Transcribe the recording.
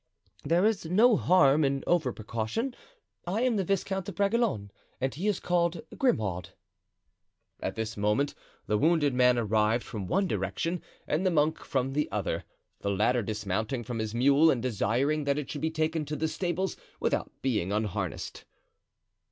"There is no harm in over precaution. I am the Viscount de Bragelonne and he is called Grimaud." At this moment the wounded man arrived from one direction and the monk from the other, the latter dismounting from his mule and desiring that it should be taken to the stables without being unharnessed.